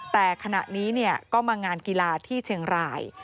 แต่ขณะนี้ก็มางานกีฬาที่เชียงราย